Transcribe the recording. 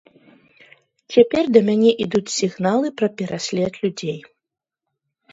Цяпер да мяне ідуць сігналы пра пераслед людзей.